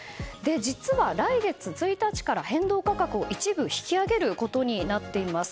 実は、来月１日から変動価格を一部引き上げることになっています。